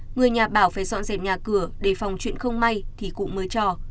người nhà bảo phải dọn dẹp nhà cửa để phòng chuyện không may thì cụ mới cho